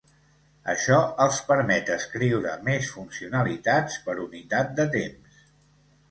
Això els permet escriure més funcionalitats per unitat de temps.